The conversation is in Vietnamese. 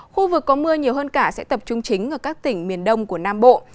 khu vực có mưa nhiều hơn cả sẽ tập trung chính ở các tỉnh miền đông của nam bộ